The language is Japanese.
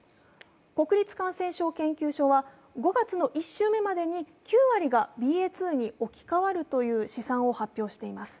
国立感染症研究所は５月の１週目までに、９割が置き換わるという試算を発表しています。